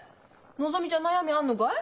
のぞみちゃん悩みあんのがい？